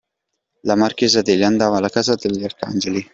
La marchesa Delia andava nella casa della Arcangeli.